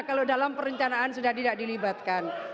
kalau dalam perencanaan sudah tidak dilibatkan